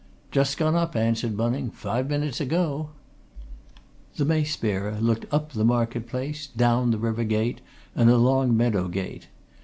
"Just gone up," answered Bunning. "Five minutes ago." The Mace Bearer looked up the market place, down River Gate and along Meadow Gate.